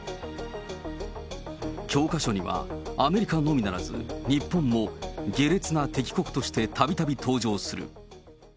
教科書にはアメリカのみならず、日本も下劣な敵国としてたびたび登場する。